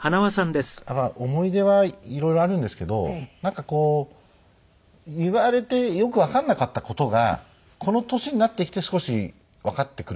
思い出はいろいろあるんですけどなんかこう言われてよくわかんなかった事がこの年になってきて少しわかってくるというか。